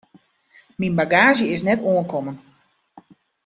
Myn bagaazje is net oankommen.